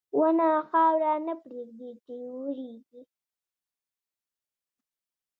• ونه خاوره نه پرېږدي چې وریږي.